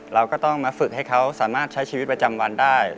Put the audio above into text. เราก็ต้องมาฝึกให้เขาสามารถใช้ชีวิตประจำวันได้